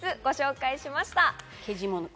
３つご紹介しました。